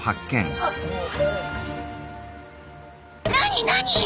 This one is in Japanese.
何何！？